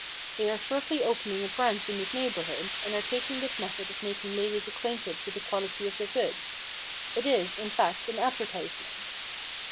They are shortly opening a branch in this neighbourhood and are taking this method of making ladies acquainted with the quality of their goods. It is, in fact, an advertisement.'